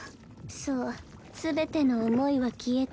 そう全ての思いは消えた。